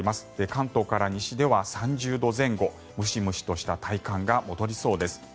関東から西では３０度前後ムシムシとした体感が戻りそうです。